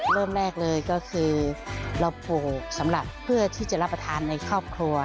เริ่มแรกเลยก็คือเราปลูกสำหรับเพื่อที่จะรับประทานในครอบครัว